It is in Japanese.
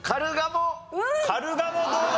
カルガモどうだ？